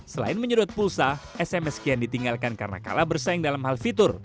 selain menyedot pulsa sms kian ditinggalkan karena kalah bersaing dalam hal fitur